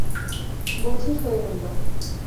বধির হয়ে রইল।